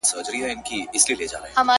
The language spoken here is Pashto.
په چارشنبې چي ډېوې بلې په زيارت کي پرېږده~